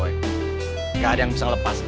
nggak ada yang bisa lepas